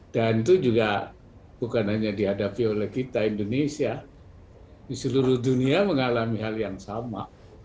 dan itu juga bukan hanya dihadapi oleh kita indonesia di seluruh dunia mengalami hal yang sama